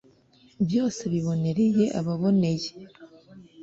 Byose bibonereye ababoneye